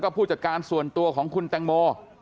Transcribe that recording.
ผู้จัดการส่วนตัวของคุณแตงโม